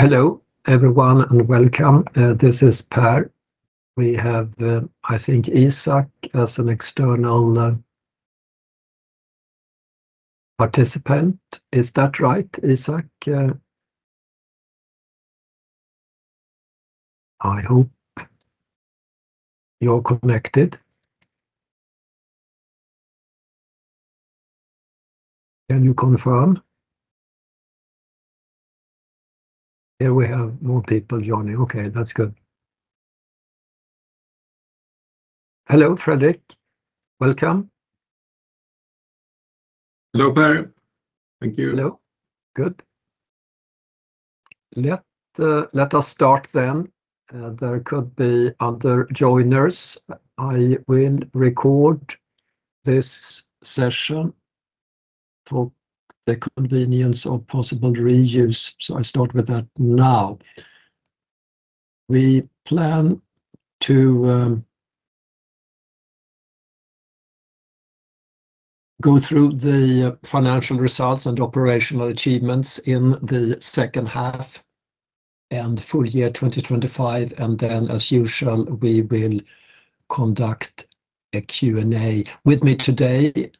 Hello, everyone, and welcome. This is Per. We have, I think, Isak as an external participant. Is that right, Isak? I hope you're connected. Can you confirm? Here we have more people, Johnny. Okay, that's good. Hello, Frederick. Welcome. Hello, Per. Thank you. Hello. Good. Let us start then. There could be other joiners. I will record this session for the convenience of possible reuse, so I start with that now. We plan to go through the financial results and operational achievements in the H2 and full year 2025, and then, as usual, we will conduct a Q&A. With me today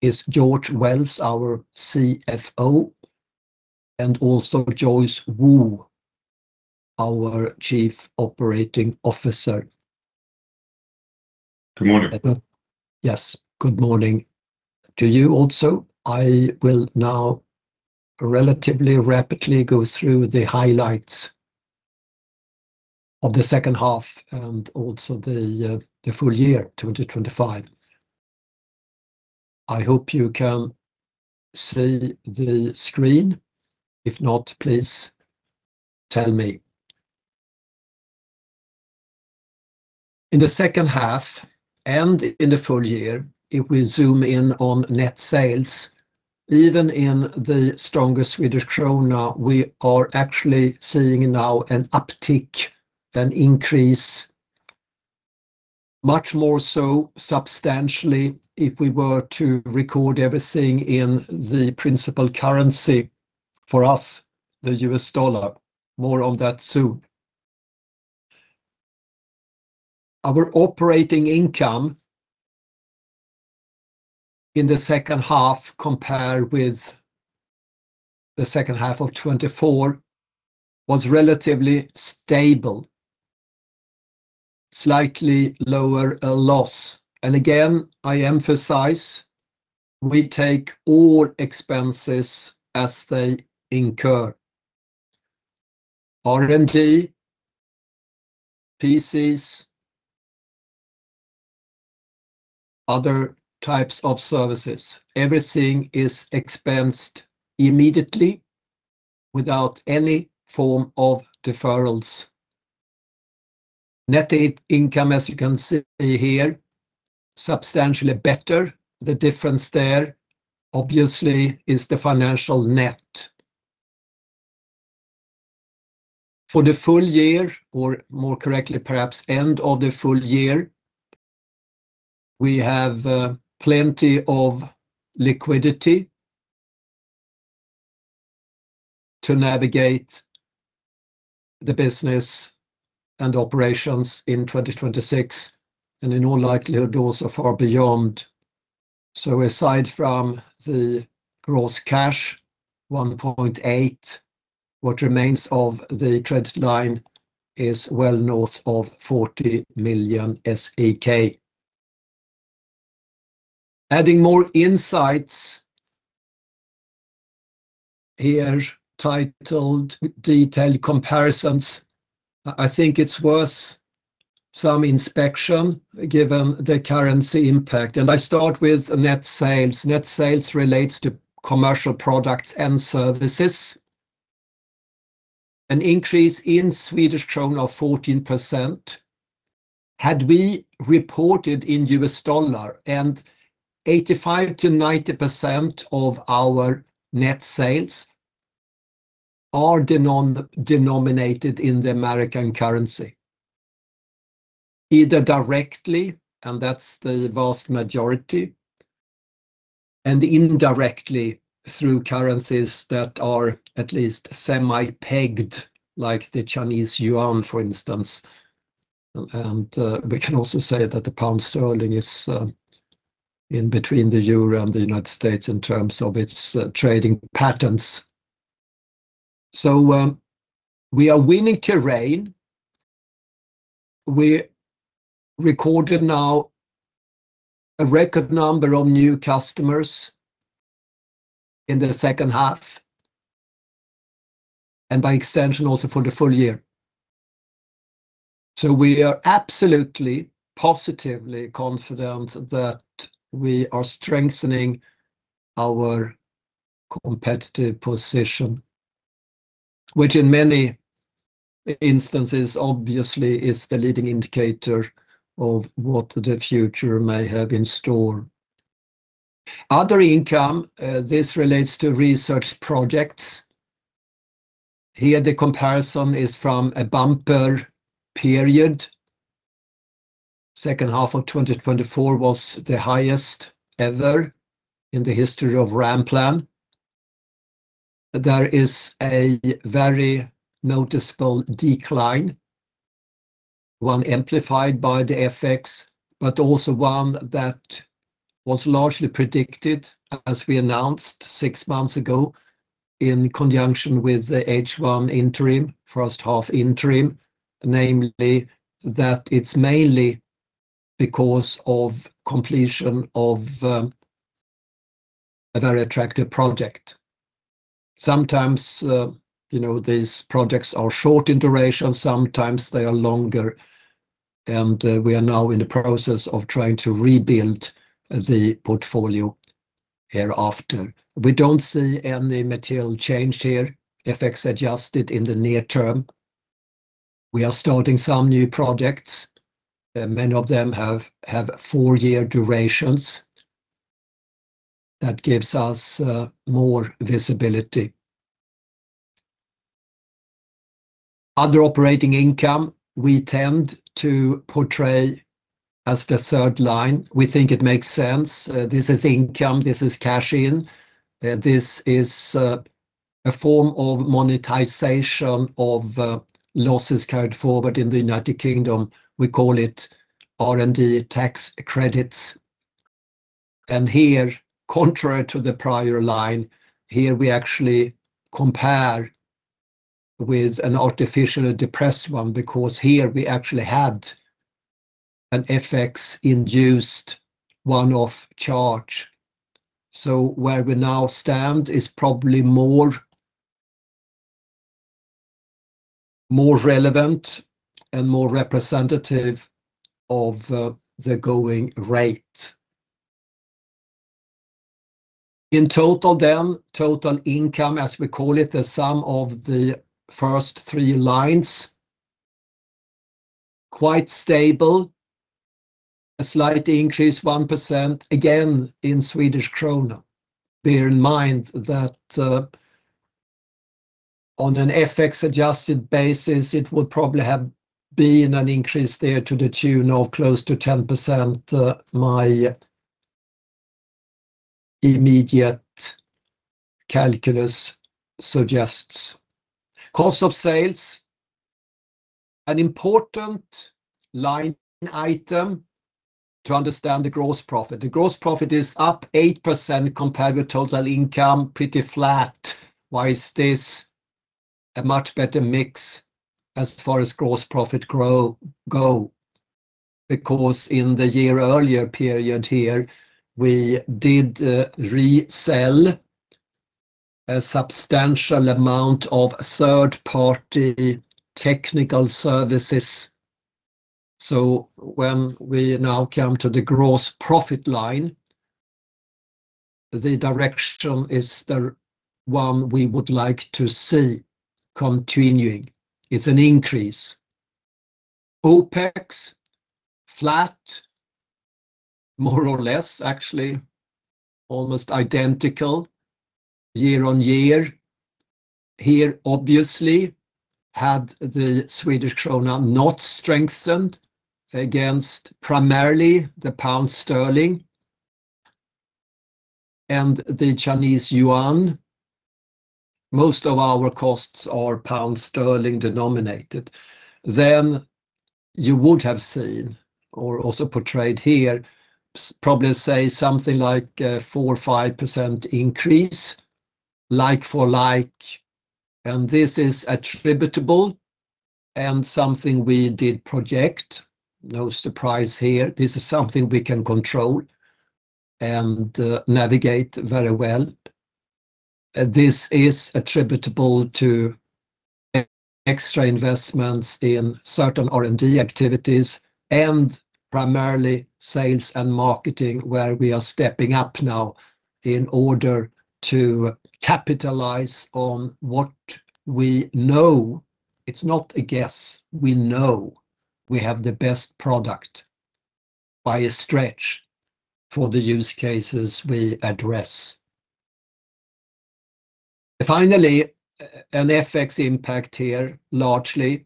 is George Wells, our CFO, and also Joyce Wu, our Chief Operating Officer. Good morning. Yes, good morning to you also. I will now relatively rapidly go through the highlights of the H2 and also the full year, 2025. I hope you can see the screen. If not, please tell me. In the H2 and in the full year, if we zoom in on net sales, even in the strongest Swedish krona, we are actually seeing now an uptick, an increase, much more so substantially if we were to record everything in the principal currency for us, the U.S. dollar. More on that soon. Our operating income in the H2, compared with the H2 of 2024, was relatively stable, slightly lower, a loss. Again, I emphasize, we take all expenses as they incur. R&D, PCs, other types of services. Everything is expensed immediately without any form of deferrals. Net income, as you can see here, substantially better. there, obviously, is the financial net." (1) * "For the full year, or more correctly, perhaps end of the full year, we have plenty of liquidity to navigate the business and operations in 2026, and in all likelihood, also far beyond." (2) * "Aside from the gross cash, 1.8, what remains of the credit line is well north of 40 million SEK." (3) * "Adding more insights here, titled Detailed Comparisons, I think it's worth some inspection given the currency impact, and I start with net sales." (4) * "Net sales relates to commercial products and services." (5) * "An increase in Swedish krona of 14%." (6) * "Had we reported in U.S. dollar and 85%-90% of our net sales are denominated in the American currency, either directly, and that's the vast majority, and indirectly through currencies that are at least semi-pegged, like the Chinese yuan, for instance." (7) * Wait, "one point eight". * If I look at the transcript: "aside from the gross cash, one point eight, what remains of the credit line is well north of forty million SEK." * Is it possible "one point eight" i We can also say that the pound sterling is in between the euro and the United States in terms of its trading patterns. We are winning terrain. We recorded now a record number of new customers in the H2, and by extension, also for the full year. We are absolutely, positively confident that we are strengthening our competitive position, which in many instances, obviously, is the leading indicator of what the future may have in store. Other income, this relates to research projects. Here, the comparison is from a bumper period. H2 of 2024 was the highest ever in the history of Ranplan. There is a very noticeable decline, one amplified by the FX, but also one that was largely predicted, as we announced six months ago in conjunction with the H1 interim, H1 interim. Namely, that it's mainly because of completion of a very attractive project. Sometimes, you know, these projects are short in duration, sometimes they are longer, and we are now in the process of trying to rebuild the portfolio hereafter. We don't see any material change here, FX-adjusted in the near term. We are starting some new projects. Many of them have four-year durations. That gives us more visibility. Other operating income, we tend to portray as the third line. We think it makes sense. This is income, this is cash in. This is a form of monetization of losses carried forward in the United Kingdom. We call it R&D tax credits. Here, contrary to the prior line, here we actually compare with an artificially depressed one, because here we actually had an FX-induced one-off charge. Where we now stand is probably more, more relevant and more representative of the going rate. In total, then, total income, as we call it, the sum of the first three lines, quite stable. A slight increase, 1%, again, in Swedish krona. Bear in mind that on an FX -adjusted basis, it would probably have been an increase there to the tune of close to 10%, my immediate calculus suggests. Cost of sales, an important line item to understand the gross profit. The gross profit is up 8% compared with total income, pretty flat. Why is this a much better mix as far as gross profit go? Because in the year-earlier period here, we did resell a substantial amount of third-party technical services. When we now come to the gross profit line, the direction is the one we would like to see continuing. It's an increase. OpEx, flat, more or less, actually almost identical year-on-year. Here, obviously, had the Swedish krona not strengthened against primarily the pound sterling and the Chinese yuan, most of our costs are pound sterling denominated. Then you would have seen, or also portrayed here, probably say something like a 4% or 5% increase, like-for-like, and this is attributable and something we did project. No surprise here. This is something we can control and navigate very well. This is attributable to extra investments in certain R&D activities and primarily sales and marketing, where we are stepping up now in order to capitalize on what we know. It's not a guess. We know we have the best product by a stretch for the use cases we address. Finally, an FX impact here, largely,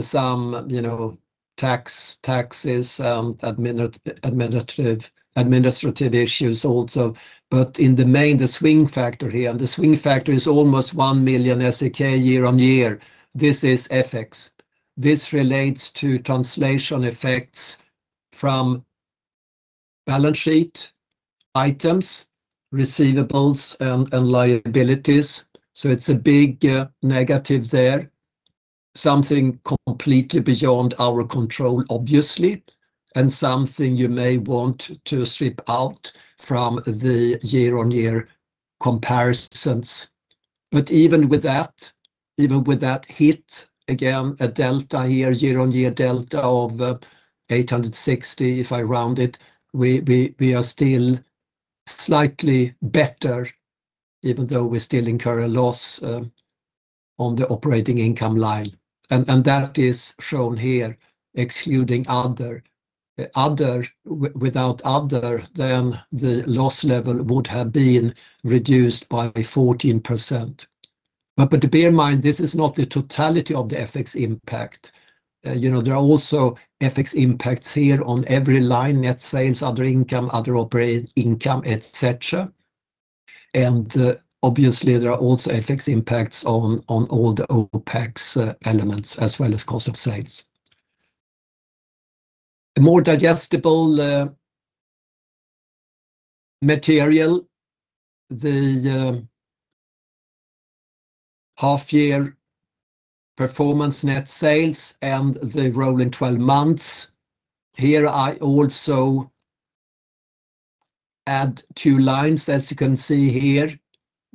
some, you know, taxes and administrative issues also. In the main, the swing factor here, and the swing factor is almost 1 million SEK year-on-year. This is FX This relates to translation effects from balance sheet items, receivables, and liabilities. It's a big negative there. Something completely beyond our control, obviously, and something you may want to strip out from the year-on-year comparisons. Even with that, even with that hit, again, a delta here, year-on-year delta of 860, if I round it, we are still slightly better, even though we still incur a loss on the operating income line, and that is shown here, excluding other. Other than the loss level, would have been reduced by 14%. But to bear in mind, this is not the totality of the FX impact. You know, there are also FX impacts here on every line, net sales, other income, other operating income, et cetera. Obviously, there are also FX impacts on all the OpEx elements, as well as cost of sales. A more digestible material, the half-year performance net sales and the rolling 12 months. Here, I also add two lines, as you can see here.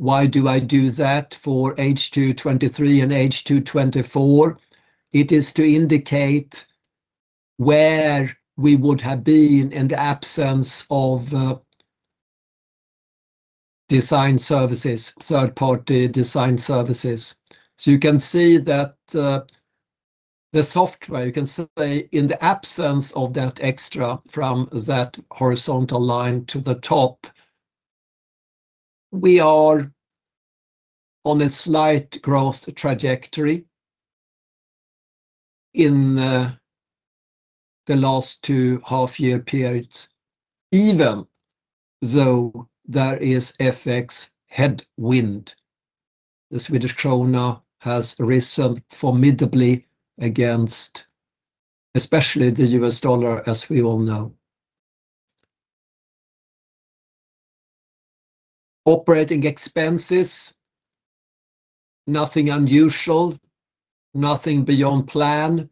Why do I do that for H2 2023 and H2 2024? It is to indicate where we would have been in the absence of design services, third-party design services. You can see that the software, you can say, in the absence of that extra from that horizontal line to the top, we are on a slight growth trajectory in the last two half-year periods, even though there is FX headwind. The Swedish krona has risen formidably against, especially the U.S. dollar, as we all know. Operating expenses, nothing unusual, nothing beyond plan.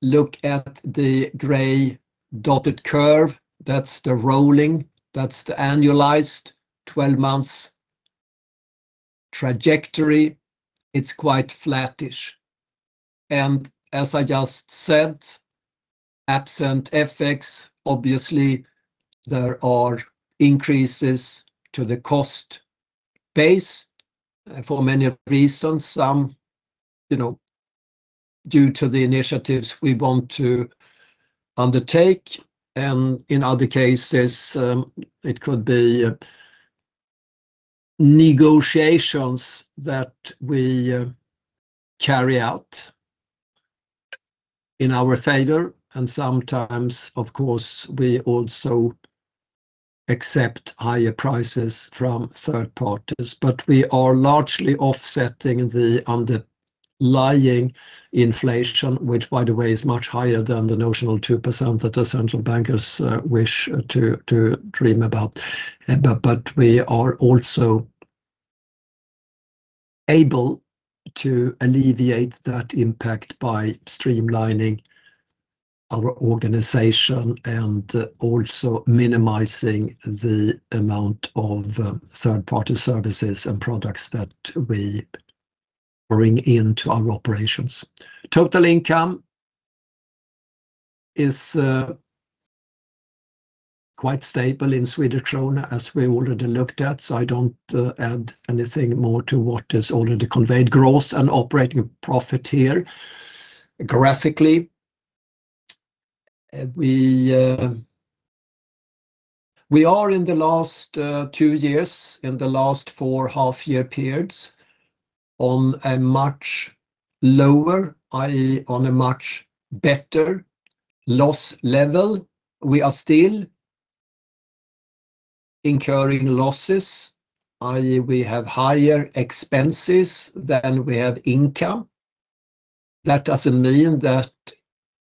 Look at the gray dotted curve. That's the rolling, that's the annualized 12 months trajectory. It's quite flattish, and as I just said, absent FX, obviously, there are increases to the cost base for many reasons. Some, you know, due to the initiatives we want to undertake, and in other cases, it could be negotiations that we carry out in our favor, and sometimes, of course, we also accept higher prices from third parties. We are largely offsetting the underlying inflation, which, by the way, is much higher than the notional 2% that the central bankers wish to dream about. We are also able to alleviate that impact by streamlining our organization and also minimizing the amount of third-party services and products that we bring into our operations. Total income is quite stable in Swedish krona, as we already looked at, so I don't add anything more to what is already conveyed. Gross and operating profit here, graphically, we are in the last two years, in the last four half-year periods, on a much lower, i.e., on a much better loss level. We are still incurring losses, i.e., we have higher expenses than we have income. That doesn't mean that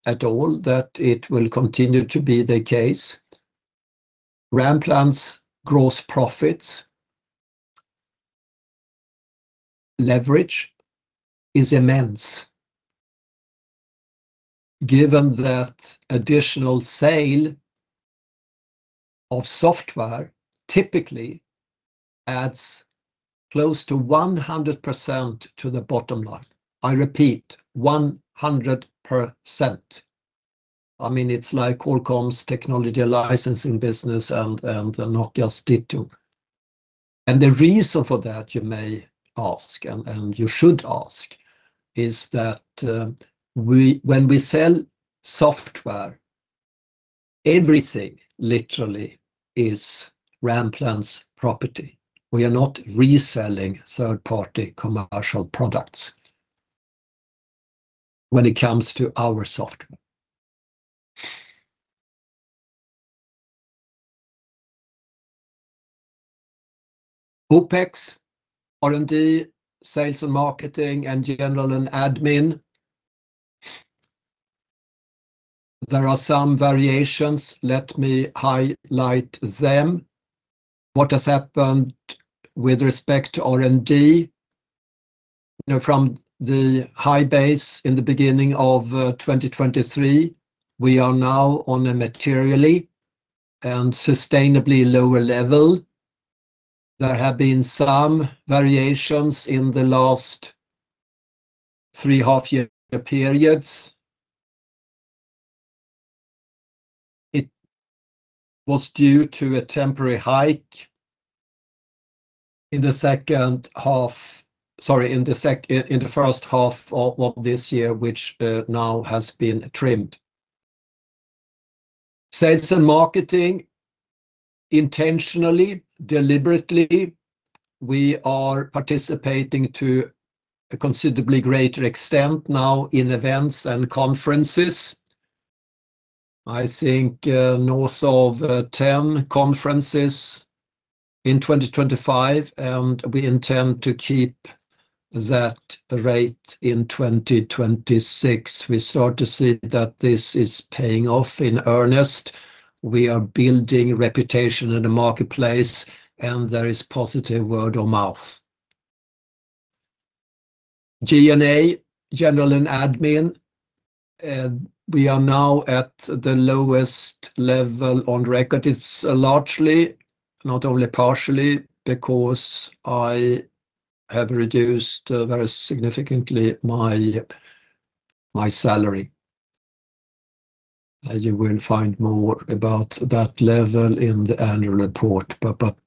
at all, that it will continue to be the case. Ranplan's gross profits leverage is immense. Given that additional sale of software typically adds close to 100% to the bottom line. I repeat, 100%. I mean, it's like Qualcomm's technology licensing business and Nokia's ditto. The reason for that, you may ask, and you should ask, is that when we sell software, everything literally is Ranplan's property. We are not reselling third-party commercial products when it comes to our software. OpEx, R&D, sales and marketing, and general and admin. There are some variations. Let me highlight them. What has happened with respect to R&D? You know, from the high base in the beginning of 2023, we are now on a materially and sustainably lower level. There have been some variations in the last three half-year periods. It was due to a temporary hike in the H2... Sorry, in the H1 of this year, which now has been trimmed. Sales and Marketing, intentionally, deliberately, we are participating to a considerably greater extent now in events and conferences. I think north of 10 conferences in 2025, and we intend to keep that rate in 2026. We start to see that this is paying off in earnest. We are building reputation in the marketplace, and there is positive word of mouth. G&A, General and Admin, we are now at the lowest level on record. It's largely, not only partially, because I have reduced very significantly my salary. You will find more about that level in the annual report, but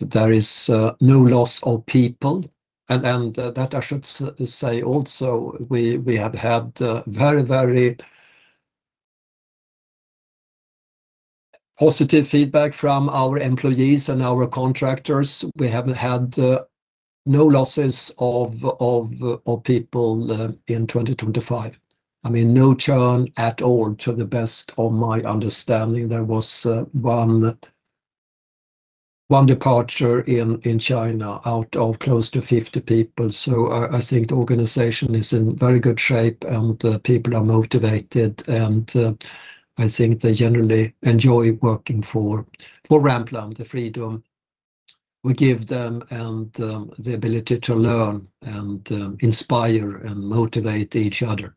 there is no loss of people, and that I should say also, we have had very, very positive feedback from our employees and our contractors. We haven't had no losses of people in 2025. I mean, no churn at all, to the best of my understanding. There was one departure in China out of close to 50 people. I think the organization is in very good shape, and the people are motivated, and I think they generally enjoy working for Ranplan. The freedom we give them and the ability to learn and inspire and motivate each other.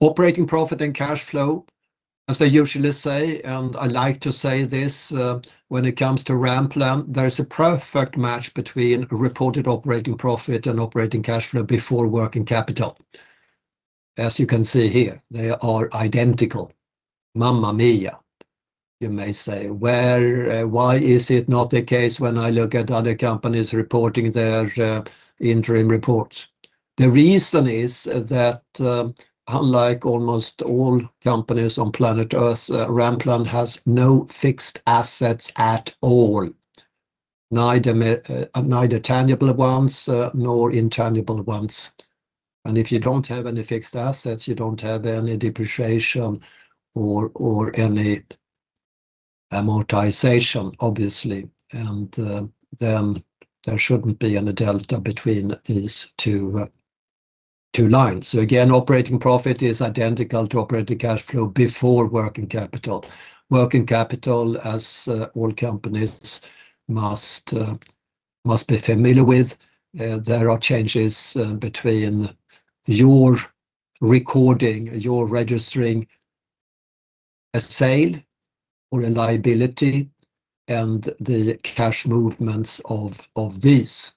Operating profit and cash flow, as I usually say, and I like to say this, when it comes to Ranplan, there is a perfect match between reported operating profit and operating cash flow before working capital. As you can see here, they are identical. Mamma mia! You may say, why is it not the case when I look at other companies reporting their interim reports? The reason is that, unlike almost all companies on planet Earth, Ranplan has no fixed assets at all. Neither tangible ones nor intangible ones. If you don't have any fixed assets, you don't have any depreciation or any amortization, obviously, and then there shouldn't be any delta between these two lines. Again, operating profit is identical to operating cash flow before working capital. Working capital, as all companies must be familiar with, there are changes between your recording, your registering a sale or a liability, and the cash movements of these.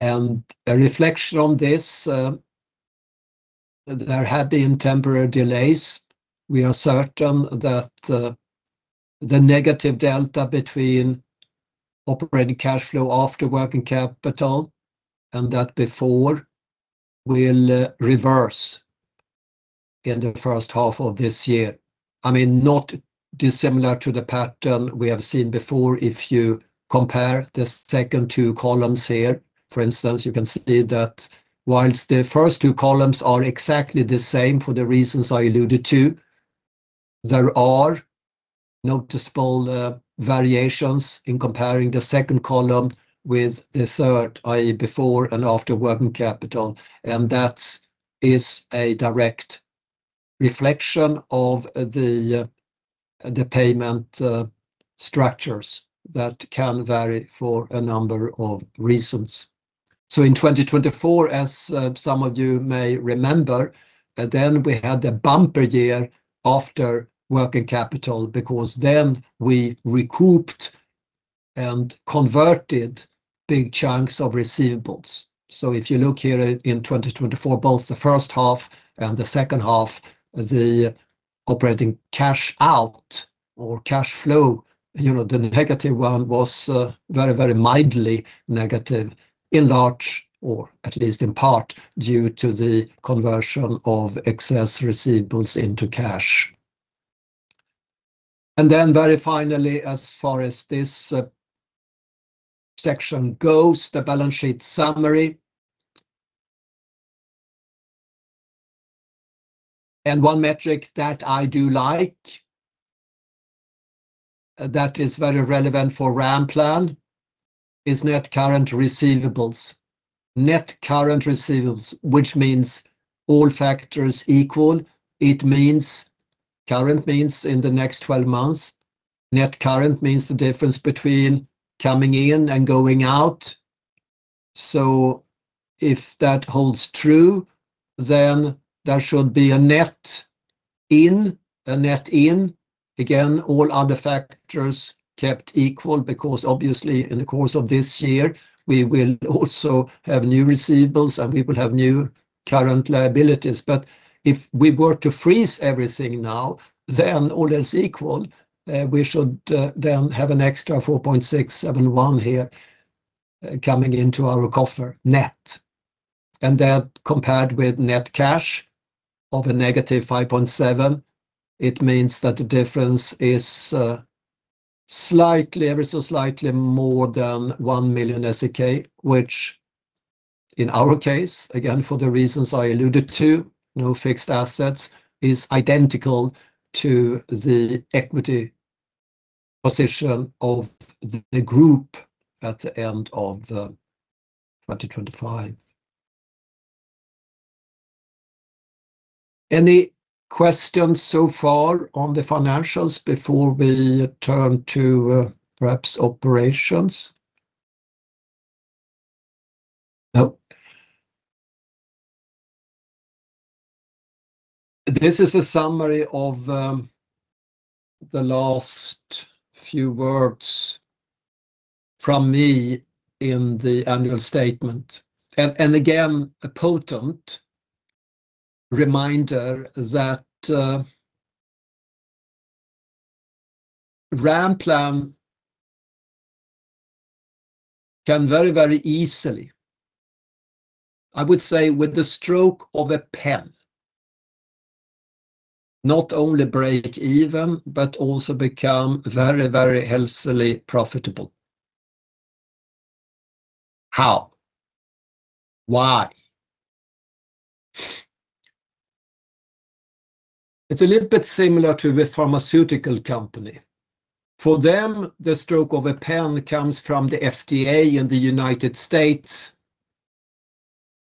A reflection on this, there have been temporary delays. We are certain that the negative delta between operating cash flow after working capital and that before will reverse in the H1 of this year. I mean, not dissimilar to the pattern we have seen before. If you compare the second two columns here, for instance, you can see that whilst the first two columns are exactly the same for the reasons I alluded to, there are noticeable variations in comparing the second column with the third, i.e., before and after working capital, and that's is a direct reflection of the payment structures that can vary for a number of reasons. In 2024, as some of you may remember, then we had a bumper year after working capital because then we recouped and converted big chunks of receivables. If you look here in 2024, both the H1 and the H2, the operating cash out or cash flow, you know, the negative one was very mildly negative, in large, or at least in part, due to the conversion of excess receivables into cash. Very finally, as far as this section goes, the balance sheet summary. One metric that I do like, that is very relevant for Ranplan, is net current receivables. Net current receivables, which means all factors equal, it means current means in the next 12 months. Net current means the difference between coming in and going out. If that holds true, then there should be a net in, a net in. Again, all other factors kept equal, because obviously in the course of this year, we will also have new receivables, and we will have new current liabilities. If we were to freeze everything now, then all else equal, we should then have an extra 4.671 here coming into our coffer net. That compared with net cash of a -5.7, it means that the difference is slightly, ever so slightly more than 1 million SEK, which in our case, again, for the reasons I alluded to, no fixed assets, is identical to the equity position of the group at the end of 2025. Any questions so far on the financials before we turn to perhaps operations? No. This is a summary of the last few words from me in the annual statement, and again, a potent reminder that Ranplan can very, very easily, I would say, with the stroke of a pen, not only break even, but also become very, very healthily profitable. How? Why? It's a little bit similar to a pharmaceutical company. For them, the stroke of a pen comes from the FDA in the United States.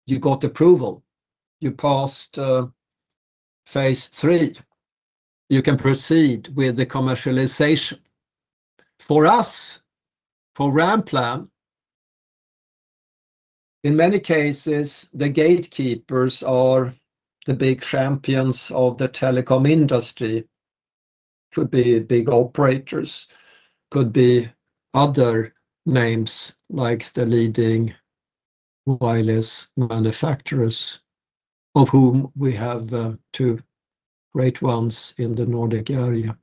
You got approval. You passed phase III. You can proceed with the commercialization. For us, for Ranplan, in many cases, the gatekeepers are the big champions of the telecom industry. Could be big operators, could be other names, like the leading wireless manufacturers, of whom we have two great ones in the Nordic area.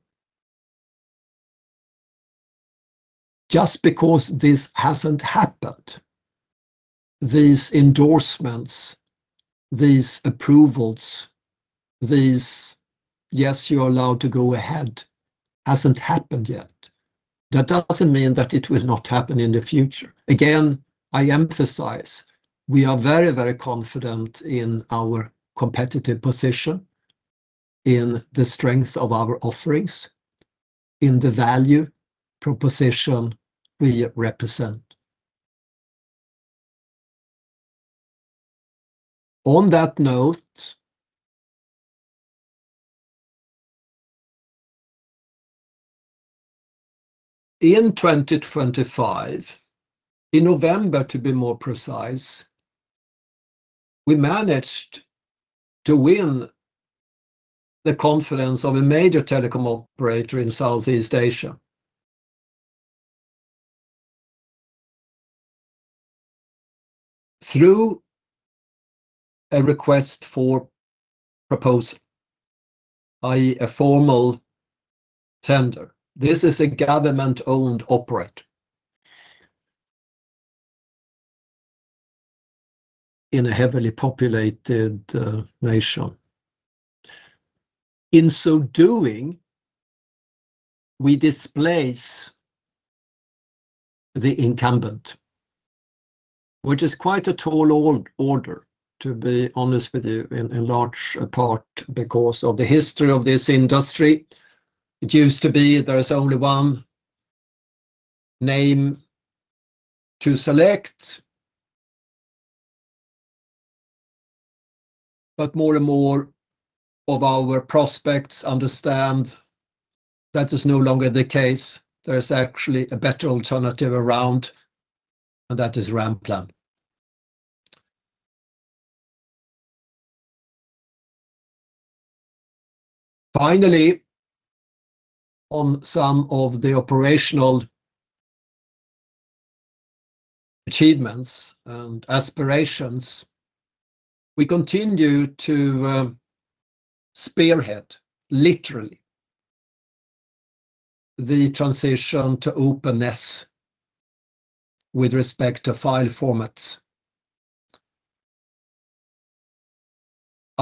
Just because this hasn't happened, these endorsements, these approvals, these "Yes, you are allowed to go ahead," hasn't happened yet, that doesn't mean that it will not happen in the future. Again, I emphasize, we are very, very confident in our competitive position, in the strength of our offerings, in the value proposition we represent. On that note, in 2025, in November, to be more precise, we managed to win the confidence of a major telecom operator in Southeast Asia through a request for proposal, i.e., a formal tender. This is a government-owned operator in a heavily populated nation. In so doing, we displace the incumbent, which is quite a tall order, to be honest with you, in large part because of the history of this industry. It used to be there is only one name to select. More and more of our prospects understand that is no longer the case. There is actually a better alternative around, and that is Ranplan. Finally, on some of the operational achievements and aspirations, we continue to spearhead, literally, the transition to openness with respect to file formats.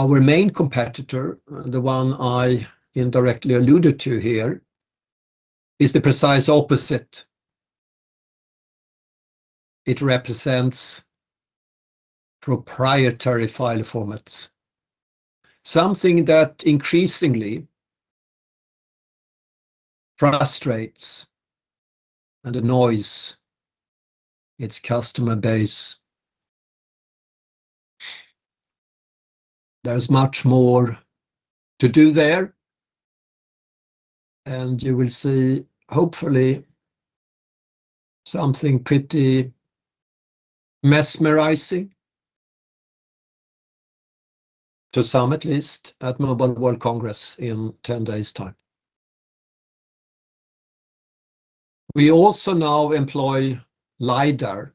Our main competitor, the one I indirectly alluded to here, is the precise opposite. It represents proprietary file formats, something that increasingly frustrates and annoys its customer base. There's much more to do there, and you will see, hopefully, something pretty mesmerizing, to some, at least, at Mobile World Congress in 10 days' time. We also now employ LiDAR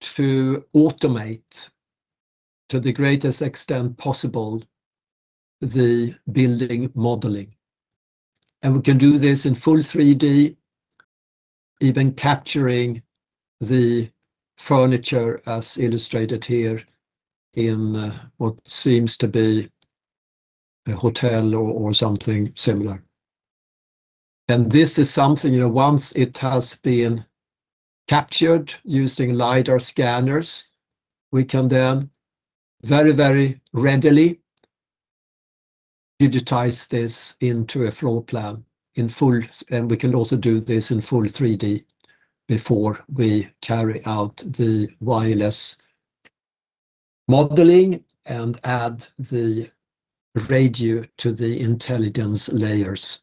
to automate, to the greatest extent possible, the building modeling, and we can do this in full 3D, even capturing the furniture as illustrated here in what seems to be a hotel or something similar. This is something, you know, once it has been captured using LiDAR scanners, we can then very, very readily digitize this into a floor plan in full, and we can also do this in full 3D before we carry out the wireless modeling and add the radio to the intelligence layers.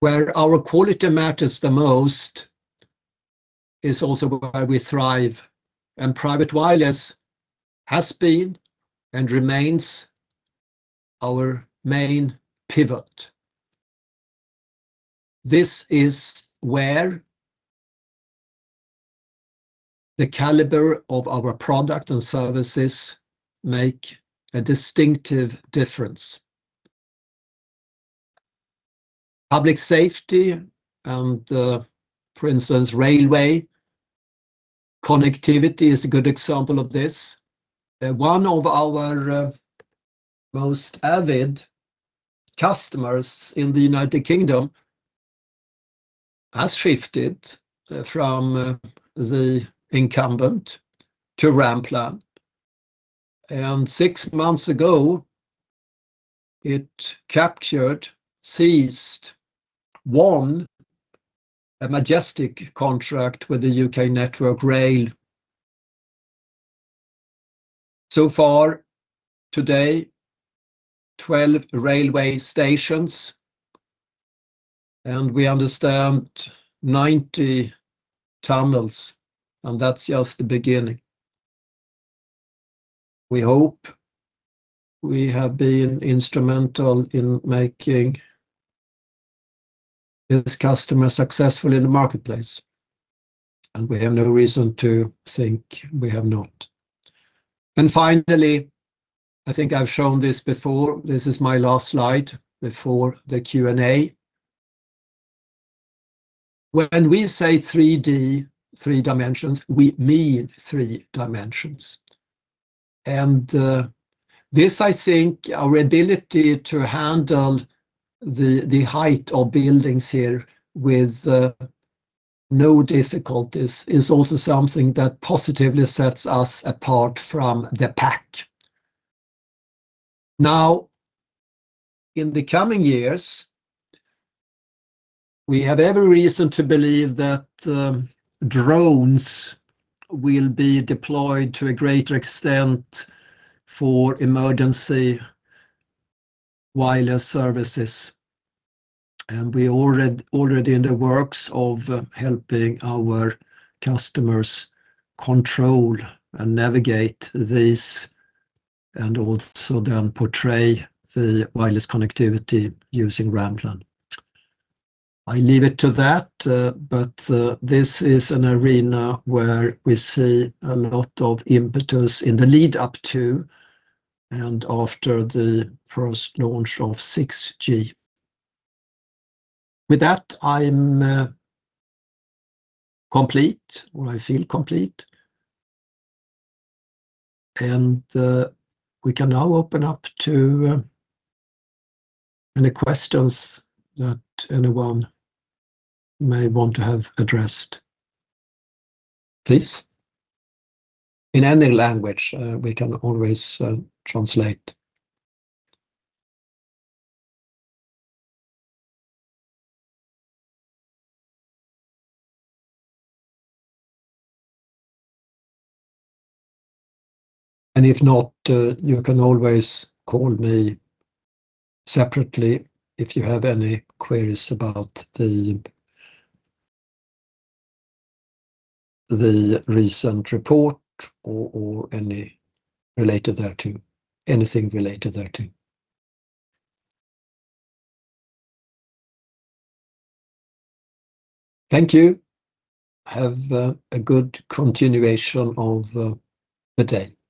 Where our quality matters the most is also where we thrive, and private wireless has been and remains our main pivot. This is where the caliber of our product and services make a distinctive difference. Public safety and, for instance, railway connectivity is a good example of this. One of our most avid customers in the United Kingdom has shifted from the incumbent to Ranplan. Six months ago, it captured, seized, won a majestic contract with the U.K. Network Rail. So far today, 12 railway stations, and we understand 90 tunnels, and that's just the beginning. We hope we have been instrumental in making this customer successful in the marketplace, and we have no reason to think we have not. Finally, I think I've shown this before. This is my last slide before the Q&A. When we say 3D, three dimensions, we mean three dimensions. This, I think, our ability to handle the height of buildings here with no difficulties is also something that positively sets us apart from the pack. Now, in the coming years, we have every reason to believe that drones will be deployed to a greater extent for emergency wireless services. We already in the works of helping our customers control and navigate this, and also then portray the wireless connectivity using Ranplan. I leave it to that, but this is an arena where we see a lot of impetus in the lead up to and after the first launch of 6G. With that, I'm complete, or I feel complete. We can now open up to any questions that anyone may want to have addressed, please. In any language, we can always translate. If not, you can always call me separately if you have any queries about the recent report or anything related thereto. Thank you. Have a good continuation of the day. Bye.